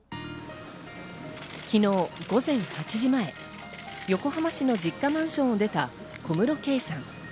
昨日午前８時前、横浜市の実家マンションを出た小室圭さん。